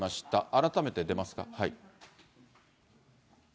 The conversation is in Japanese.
改めて出ますか。